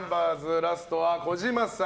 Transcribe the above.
ラストは児嶋さん。